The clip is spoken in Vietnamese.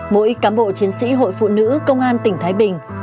mỗi cán bộ chiến sĩ hội phụ nữ công an tỉnh thái bình